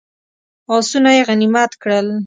آسونه یې غنیمت کړل.